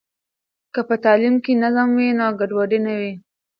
که په تعلیم کې نظم وي، نو ګډوډي نه وي.